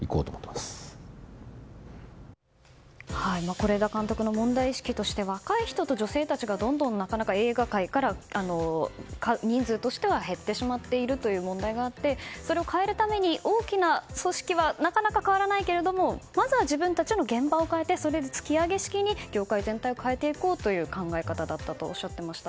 是枝監督の問題意識として若い人と女性たちが、なかなか映画界から人数としては減ってしまっているという問題があってそれを変えるために大きな組織はなかなか変わらないけれどまずは自分たちの現場を変えてそれで突き上げ式に業界全体を変えていこうという考え方だったとおっしゃっていました。